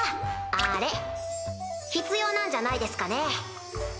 あれ必要なんじゃないですかね？